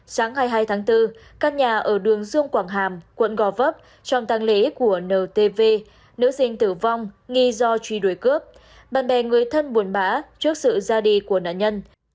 sáng hai mươi hai tháng bốn căn nhà ở đường dương quảng hàm quận gò vấp trong tăng lễ của ntv nữ sinh tử vong nghi do truy đuổi cướp bạn bè người thân buồn bã trước sự ra đi của nạn nhân